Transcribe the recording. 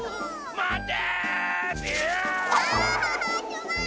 まて！